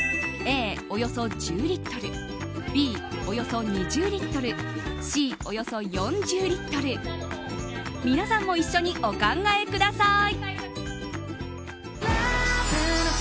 Ａ、およそ１０リットルＢ、およそ２０リットルＣ、およそ４０リットル皆さんも一緒にお考えください。